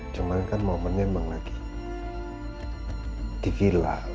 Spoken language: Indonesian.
cuma kan momennya emang lagi di vila